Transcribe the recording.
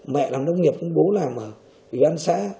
mẹ làm công nghiệp bố làm ở vị đoàn xã